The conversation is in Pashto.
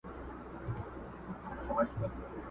د قاضي په نصیحت کي ثمر نه وو!!